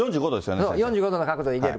４５度の角度で入れる。